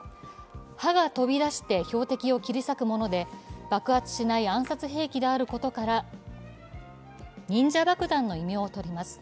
刃が飛び出して標的を切り裂くもので爆発しない暗殺兵器であることから忍者爆弾の異名をとります。